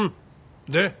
で？